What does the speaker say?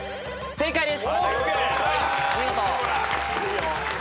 正解です。